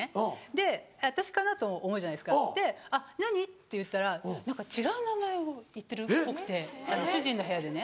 で私かなと思うじゃないですかあっ何？っていったら違う名前を言ってるっぽくて主人の部屋でね。